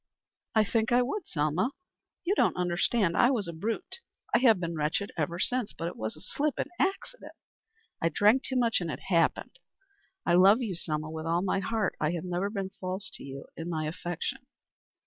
"I think I would, Selma. You don't understand. I was a brute. I have been wretched ever since. But it was a slip an accident. I drank too much, and it happened. I love you, Selma, with all my heart. I have never been false to you in my affection."